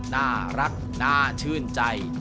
น่ารักน่าชื่นใจ